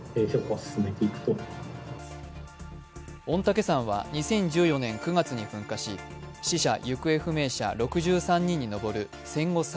御嶽山は２０１４年９月に噴火し、死者・行方不明者６３人に上る戦後